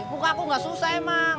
muka aku gak susah emang